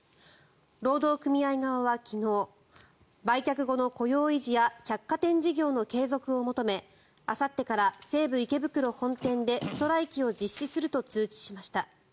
労働組合側は昨日売却後の雇用維持や百貨店事業の継続を求めあさってから西武池袋本店でストライキを実施すると通知しました。